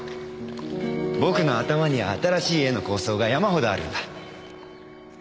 僕の頭には新しい絵の構想が山ほどあるんだ。